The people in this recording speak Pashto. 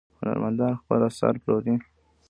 هنرمندان خپل اثار پلوري.